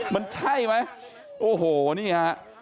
มันใช่ไหมโอ้โหนี่ฮะ